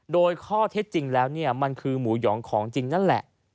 โดยข้อเท็จจริงแล้วมันคือหมูหยองของจริงนั่นแหละ